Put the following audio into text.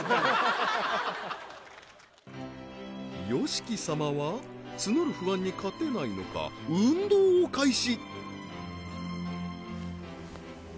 ＹＯＳＨＩＫＩ様は募る不安に勝てないのか運動を開始